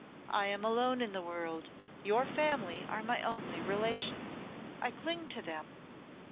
I am alone in the world. Your family are my only relations; I cling to them.